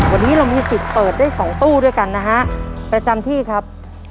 วันนี้เรามีสิทธิ์เปิดได้๒ตู้ด้วยกันนะฮะประจำที่ครับ